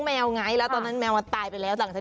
แมวหนูไม่มีการกะแทะอะไรเลยนะ